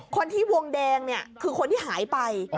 คนที่วงแดงคือคนที่หายไป